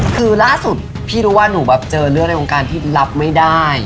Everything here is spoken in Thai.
คือล่าสุดพี่รู้ว่าหนูแบบเจอเรื่องในวงการที่รับไม่ได้